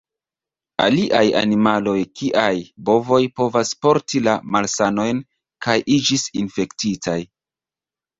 Aliaj animaloj kiaj bovoj povas porti la malsanojn kaj iĝis infektitaj.